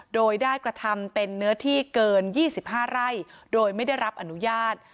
โดยได้กระทำเป็นเนื้อที่เกิน๒๕ไร่โดยไม่ได้รับอนุญาต